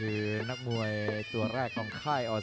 ฮีวอร์เป็นฮีวอร์เป็นฮีวอร์เป็นฮีวอร์